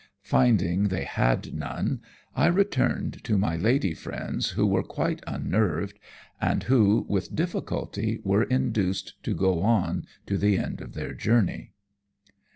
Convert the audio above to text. Finding they had gone, I returned to my lady friends, who were quite unnerved, and who, with difficulty, were induced to go on to the end of their journey."